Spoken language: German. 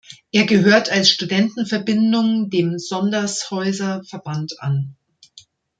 Er gehört als Studentenverbindung dem Sondershäuser Verband an.